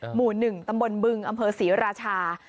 หมู่๑ตำบลบึงอำเภอศรีราชา